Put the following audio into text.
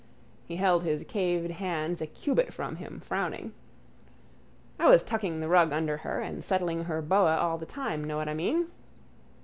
He held his caved hands a cubit from him, frowning: —I was tucking the rug under her and settling her boa all the time. Know what I mean?